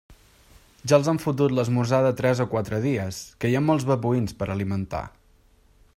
Ja els han fotut l'esmorzar de tres o quatre dies, que hi ha molts babuïns per alimentar.